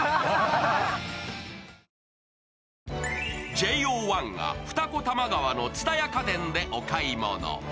ＪＯ１が二子玉川の蔦屋家電でお買い物。